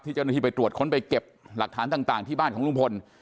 เจ้าหน้าที่ไปตรวจค้นไปเก็บหลักฐานต่างที่บ้านของลุงพล